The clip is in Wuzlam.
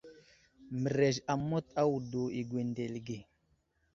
Mərez amət a wudo i gwendele age.